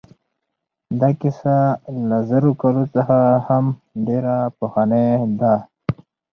دا کیسه له زرو کالو څخه هم ډېره پخوانۍ ده.